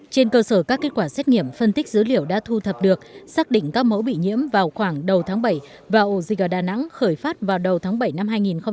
trên cơ sở các kết quả xét nghiệm phân tích dữ liệu đã thu thập được xác định các mẫu bị nhiễm vào khoảng đầu tháng bảy và ổ dịch ở đà nẵng khởi phát vào đầu tháng bảy năm hai nghìn hai mươi